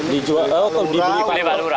dijual oh dibeli palura